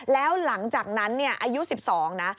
แล้วหลังจากนั้นอายุ๑๒นะ